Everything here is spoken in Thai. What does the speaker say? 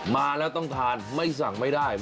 มาแล้วต้องทานไม่สั่งไม่ได้